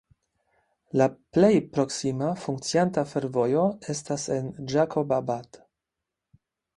La plej proksima funkcianta fervojo estas en Ĝakobabad.